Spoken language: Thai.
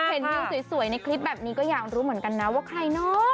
เห็นวิวสวยในคลิปแบบนี้ก็อยากรู้เหมือนกันนะว่าใครเนอะ